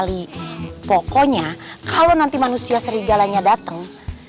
tali pokonya kalau nanti manusia serigalanya dateng